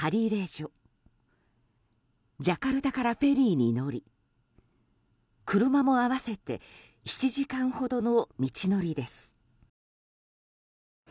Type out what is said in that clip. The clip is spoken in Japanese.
ジャカルタからフェリーに乗り車も合わせて７時間ほどの道のりです。